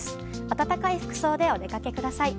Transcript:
暖かい服装でお出かけください。